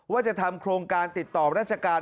ว่าจะทำโครงการติดต่อราชการ